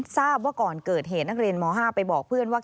ทราบว่าก่อนเกิดเหตุนักเรียนม๕ไปบอกเพื่อนว่า